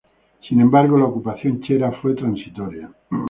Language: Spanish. Sin embargo, la ocupación chera fue transitoria.